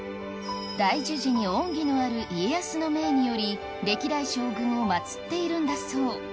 大樹寺に恩義のある家康の命により歴代将軍を祭っているんだそう